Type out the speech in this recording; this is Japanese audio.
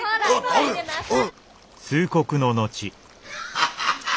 ・ハハハ！